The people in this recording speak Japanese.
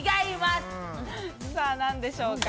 さぁ何でしょうか？